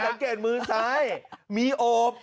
สังเกตมือซ้ายมีโอบ